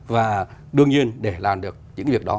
và đương nhiên để làm được những việc đó